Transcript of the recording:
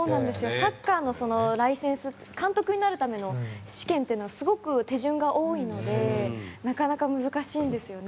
サッカーのライセンス監督になるための試験はすごく手順が多いのでなかなか難しいんですよね。